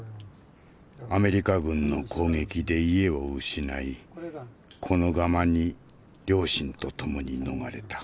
アメリカ軍の攻撃で家を失いこのガマに両親と共に逃れた。